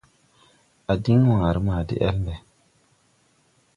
A diŋ wããre ma de el mbe.